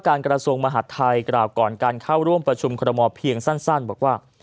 กระทรวงมหาดไทยกล่าวก่อนการเข้าร่วมประชุมคอรมอลเพียงสั้นบอกว่า